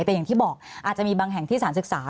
แต่อย่างที่บอกอาจจะมีบางแห่งที่สารศึกษา